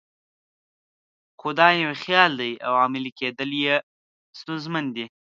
خو دا یو خیال دی او عملي کېدل یې ستونزمن دي.